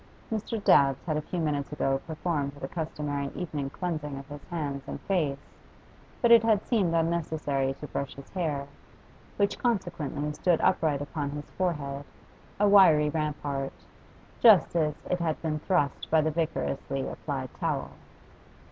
Mr. Dabbs had a few minutes ago performed the customary evening cleansing of his hands and face, but it had seemed unnecessary to brush his hair, which consequently stood upright upon his forehead, a wiry rampart, just as it had been thrust by the vigorously applied towel.